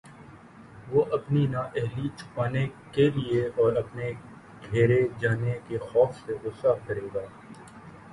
وہ اپنی نااہلی چھپانے کے لیے اور اپنے گھیرے جانے کے خوف سے غصہ کرے گا